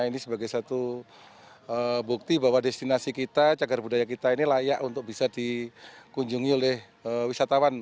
ini sebagai satu bukti bahwa destinasi kita cagar budaya kita ini layak untuk bisa dikunjungi oleh wisatawan